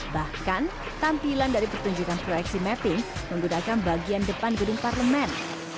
bahkan tampilan dari pertunjukan proyeksi mapping menggunakan bagian depan gedung parlemen